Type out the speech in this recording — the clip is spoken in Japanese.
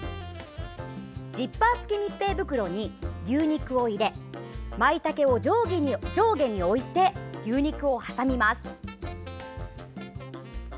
ジッパー付き密閉袋に牛肉を入れまいたけを上下に置いて牛肉を挟みます。